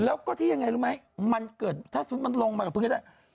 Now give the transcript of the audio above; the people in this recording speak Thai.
แล้วก็ที่ยังไงรู้ไหมมันเกิดถ้าสมมุติมันลงมากับพื้นก็ได้